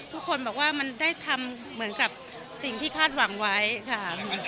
ทุกคนบอกว่ามันได้ทำเหมือนกับสิ่งที่คาดหวังไว้ค่ะ